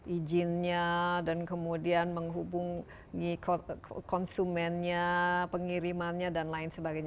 izinnya dan kemudian menghubungi konsumennya pengirimannya dan lain sebagainya